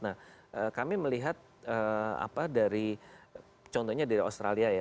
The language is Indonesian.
nah kami melihat contohnya dari australia ya